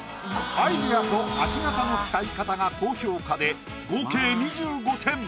アイディアと足形の使い方が高評価で合計２５点。